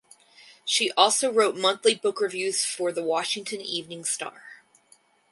She also wrote monthly book reviews for the "Washington Evening Star".